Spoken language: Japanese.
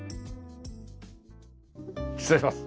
失礼します。